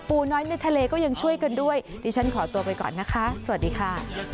น้อยในทะเลก็ยังช่วยกันด้วยดิฉันขอตัวไปก่อนนะคะสวัสดีค่ะ